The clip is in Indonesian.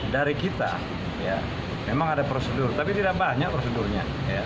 dari kita memang ada prosedur tapi tidak banyak prosedurnya